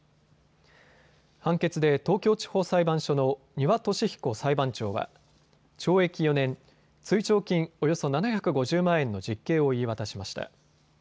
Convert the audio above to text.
判決で東京地方裁判所の丹羽敏彦裁判長は懲役４年、追徴金およそ７５０万円の実刑を言い渡しました。